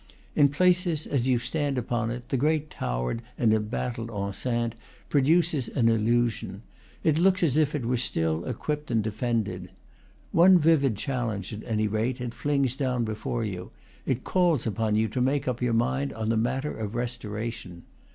In places, as you stand upon it, the great towered and embattled enceinte produces an illusion; it looks as if it were still equipped and defended. One vivid challenge, at any rate, it flings down before you; it calls upon you to make up your mind on the matter of restoration.